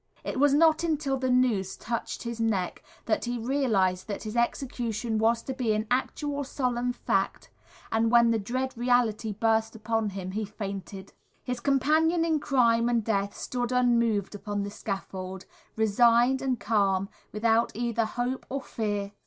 It was not until the noose touched his neck that he realised that his execution was to be an actual solemn fact, and when the dread reality burst upon him, he fainted. His companion in crime and death stood unmoved upon the scaffold, resigned and calm, without either hope or fear.